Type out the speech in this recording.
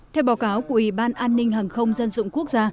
theo báo cáo của ủy ban an ninh hàng không dân dụng quốc gia